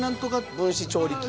分子調理器。